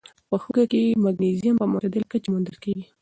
په هوږه کې مګنيزيم په معتدله کچه موندل کېږي.